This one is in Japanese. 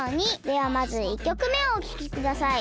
ではまず１きょくめをおききください。